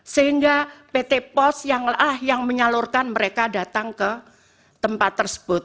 sehingga pt pos yang menyalurkan mereka datang ke tempat tersebut